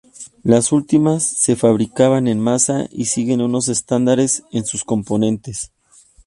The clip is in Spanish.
Las últimas se fabrican en masa y siguen unos estándares en sus componentes.